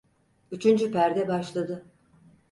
Üçüncü perde başladı.